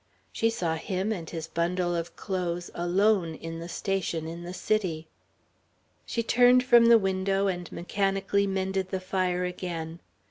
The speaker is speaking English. She saw him and his bundle of clothes alone in the station in the City.... She turned from the window and mechanically mended the fire again.